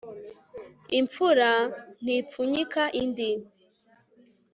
imfura ntipfunyika indi